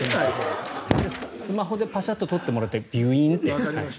スマホでパシャッと撮ってもらってビュイーンって。